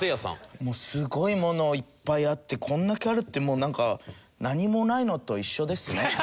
もうすごい物いっぱいあってこんだけあるってもうなんか何もないのと一緒ですね。